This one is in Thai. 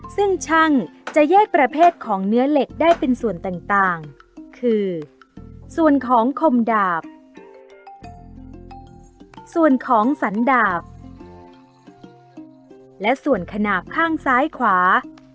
ซึ่งช่างจะแยกประเภทของเนื้อเหล็กได้เป็นส่วนต่างคือส่วนของคมดาบส่วนของสันดาบและส่วนขนาดข้างซ้ายขวา